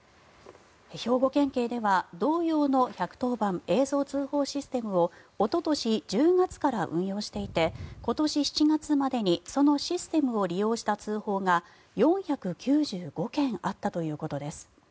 兵庫県警では同様の１１０番映像通報システムをおととし１０月から運用していて今年７月までにそのシステムを利用した通報が４９５件あったということです。